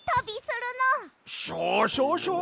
シャシャシャ！？